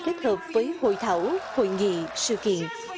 kết hợp với hội thảo hội nghị sự kiện